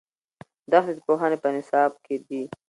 دښتې د پوهنې په نصاب کې دي.